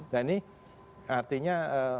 dan ini artinya